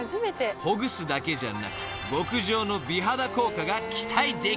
［ほぐすだけじゃなく極上の美肌効果が期待できるそうです］